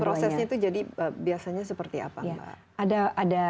prosesnya itu jadi biasanya seperti apa